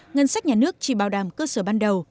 ngân sách nhà nước chỉ bảo đảm cơ sở ban đầu